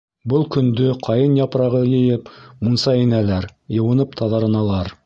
Был көндө ҡайын япрағы йыйып, мунса инәләр, йыуынып таҙарыналар.